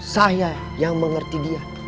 saya yang mengerti dia